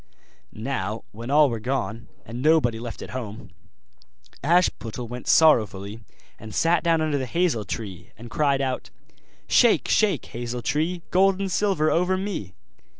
Now when all were gone, and nobody left at home, Ashputtel went sorrowfully and sat down under the hazel tree, and cried out: 'Shake, shake, hazel tree, Gold and silver over me!